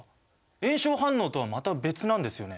炎症反応とはまた別なんですよね？